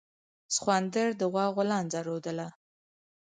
سخوندر د غوا غولانځه رودله.